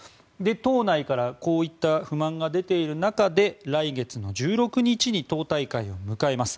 党内からこういった不満が出ている中で来月の１６日に党大会を迎えます。